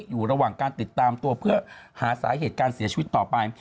อยู่ระหว่างการติดตามตัวเพื่อหาสาเหตุการเสียชีวิตต่อไป